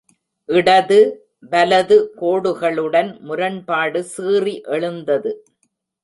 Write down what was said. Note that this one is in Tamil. இடது-வலது கோடுகளுடன் முரண்பாடு சீறி எழுந்தது.